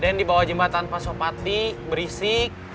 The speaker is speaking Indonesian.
deden di bawah jembatan pasopati berisik